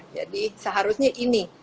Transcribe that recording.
jadi seharusnya ini